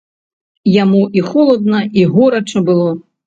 Яму і холадна і горача было.